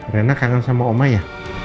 rena kangen sama oma ya